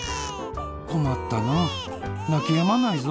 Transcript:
こまったななきやまないぞ。